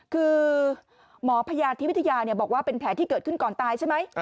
คือหมอพยาธิวิทยาบอกว่าเป็นแผลที่เกิดขึ้นก่อนตายใช่ไหม